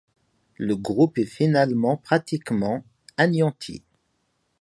Le groupe est finalement pratiquement anéanti.